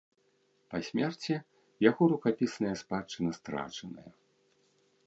Па смерці яго рукапісная спадчына страчаная.